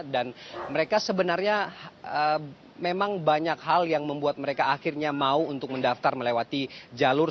dan mereka sebenarnya memang banyak hal yang membuat mereka akhirnya mau untuk mendaftar melewati jalur